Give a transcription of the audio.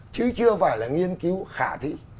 chứ chưa phải là nghiên cứu khả thi